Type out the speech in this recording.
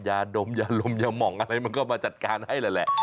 ยาดมยาลมอย่าห่องอะไรมันก็มาจัดการให้แหละ